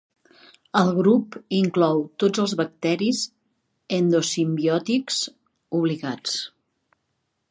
El grup inclou tots els bacteris endosimbiòtics obligats.